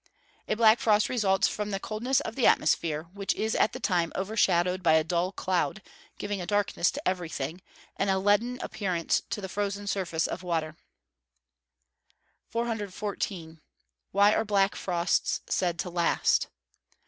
_ A black frost results from the coldness of the atmosphere, which is at the time overshadowed by a dull cloud, giving a darkness to everything, and a leaden appearance to the frozen surface of water. 414. _Why are black frosts said to last?